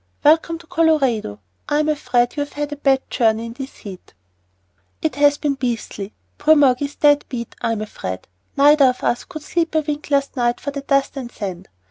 Welcome to Colorado. I'm afraid you've had a bad journey in this heat." "It has been beastly. Poor Moggy's dead beat, I'm afraid. Neither of us could sleep a wink last night for the dust and sand.